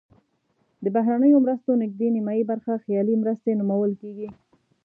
د بهرنیو مرستو نزدې نیمایي برخه خیالي مرستې نومول کیږي.